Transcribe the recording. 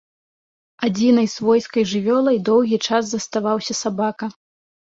Адзінай свойскай жывёлай доўгі час заставаўся сабака.